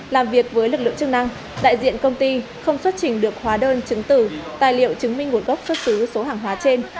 làm việc với lực lượng chức năng đại diện công ty không xuất trình được hóa đơn chứng tử tài liệu chứng minh nguồn gốc xuất xứ số hàng hóa trên